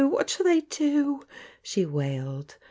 What shaU I do?" she wailed.